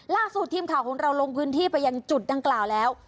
ล่าสู่ทีมข่าวลงพื้นที่ไปอย่างจุดทางกล่าวแล้ว